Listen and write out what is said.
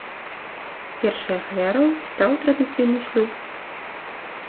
Першай ахвярай стаў традыцыйны шлюб.